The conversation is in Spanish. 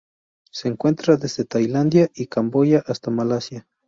Se encuentra desde Tailandia y Camboya hasta Malasia.